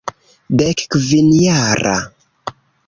Dekkvinjara.